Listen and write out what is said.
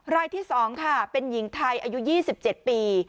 รายที่๒ค่ะเป็นหญิงไทยอายุ๒๗ปี